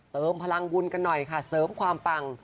เติมพลังบุญกันหน่อยค่ะเสริมความปัง